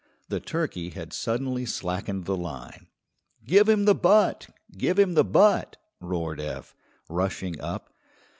The turkey had suddenly slackened the line. "Give him the butt! Give him the butt!" roared Eph, rushing up.